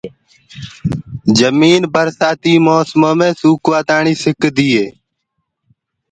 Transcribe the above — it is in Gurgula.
جمين برشآتيٚ موسميٚ مي سوُڪوآ تآڻيٚ سڪدي هي